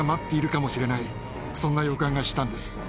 そんな予感がしたんです。